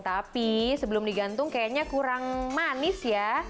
tapi sebelum digantung kayaknya kurang manis ya